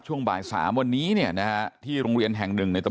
ช่วงบ่าย๓วันนี้เนี่ยนะที่โรงเรียนแห่ง๑ในต